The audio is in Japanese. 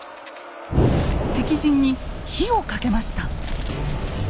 敵陣に火をかけました。